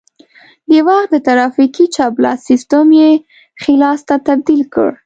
د وخت د ترافیکو چپ لاس سیسټم یې ښي لاس ته تبدیل کړ